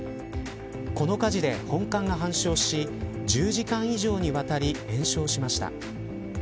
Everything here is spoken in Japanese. この火事で本館が半焼し１０時間以上にわたり延焼しました。